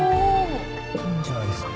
いいんじゃないですか？